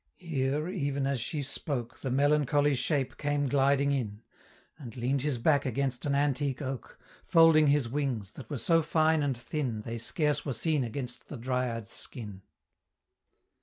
Here, even as she spoke, The melancholy Shape came gliding in, And lean'd his back against an antique oak, Folding his wings, that were so fine and thin, They scarce were seen against the Dryad's skin.